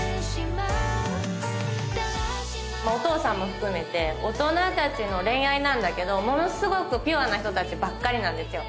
お父さんも含めて大人達の恋愛なんだけどものすごくピュアな人達ばっかりなんですよ